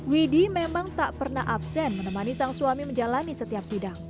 widhi memang tak pernah absen menemani sang suami menjalani setiap sidang